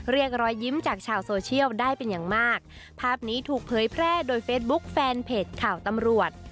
รอยยิ้มจากชาวโซเชียลได้เป็นอย่างมากภาพนี้ถูกเผยแพร่โดยเฟซบุ๊คแฟนเพจข่าวตำรวจ